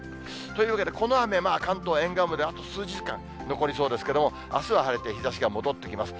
というわけでこの雨、関東沿岸部では、あと数時間、残りそうですけれども、あすは晴れて日ざしが戻ってきます。